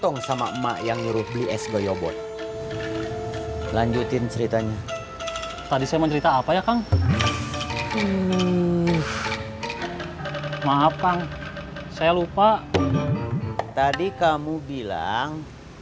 ngambil es goyobotnya dari si ujang